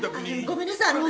ごめんなさい。